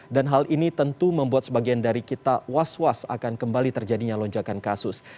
dan hal ini tentu membuat sebagian dari kita was was akan kembali terjadinya lonjakan kasus